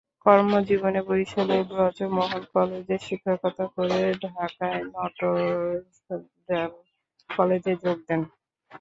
কর্মজীবনে বরিশালের ব্রজমোহন কলেজে শিক্ষকতা করে ঢাকায় নটর ডেম কলেজে যোগ দেন।